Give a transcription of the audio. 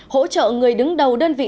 hỗ trợ người đứng đầu đơn vị